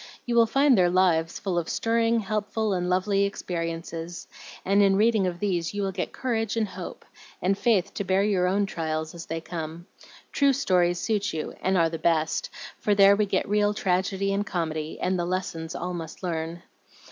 You will find their lives full of stirring, helpful, and lovely experiences, and in reading of these you will get courage and hope and faith to bear your own trials as they come. True stories suit you, and are the best, for there we get real tragedy and comedy, and the lessons all must learn."